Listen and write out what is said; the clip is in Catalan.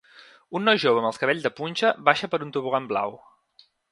Un noi jove amb els cabells de punxa baixa per un tobogan blau.